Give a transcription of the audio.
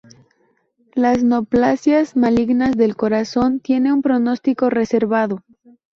Las neoplasias malignas del corazón tienen un pronóstico reservado.